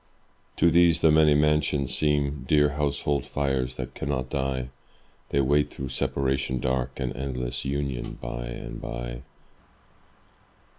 To these the many mansions seem Dear household fires that cannot die; They wait through separation dark An endless union by and by.